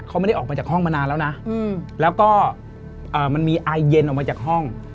เขาไม่ได้ออกมาจากห้องมานานแล้วนะแล้วก็มันมีอายเย็นออกมาจากห้อง